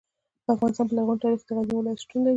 د افغانستان په لرغوني تاریخ کې د غزني ولایت شتون لري.